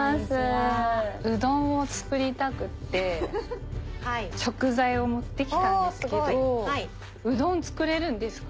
うどんを作りたくって食材を持ってきたんですけどうどん作れるんですか？